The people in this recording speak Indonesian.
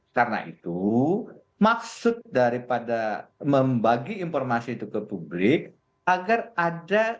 karena itu maksud daripada membagi informasi itu ke publik agar ada kesadaran